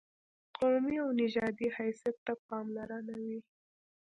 قومي او نژادي حیثیت ته پاملرنه وي.